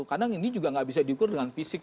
kadang ini juga nggak bisa diukur dengan fisik